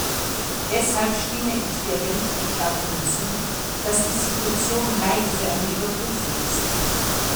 Deshalb stimme ich der Berichterstatterin zu, dass die Situation reif für eine Überprüfung ist.